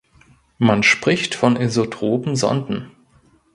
Man spricht von „isotropen Sonden“.